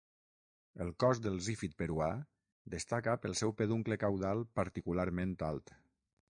El cos del zífid peruà destaca pel seu peduncle caudal particularment alt.